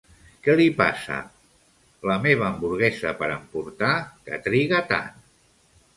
Què li passa la meva hamburguesa per emportar que triga tant?